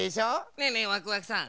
ねえねえワクワクさん。